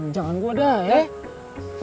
jangan gue dah ya